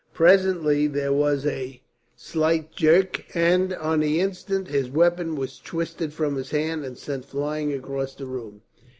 Presently there was a slight jerk and, on the instant, his weapon was twisted from his hand and sent flying across the room.